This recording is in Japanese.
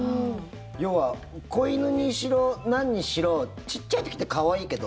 要は、子犬にしろなんにしろ小っちゃい時って可愛いけど。